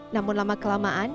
namun lama kelamaan